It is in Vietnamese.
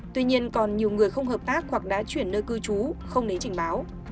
tuy nhiên còn nhiều người không hợp tác hoặc đã chuyển nơi cư trú không đến trình báo